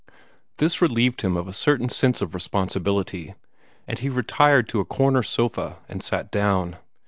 This relieved him of a certain sense of responsibility, and he retired to a corner sofa and sat down.